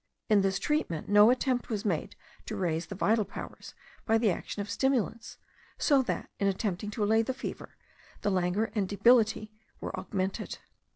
In this treatment no attempt was made to raise the vital powers by the action of stimulants, so that, in attempting to allay the fever, the languor and debility were augmented.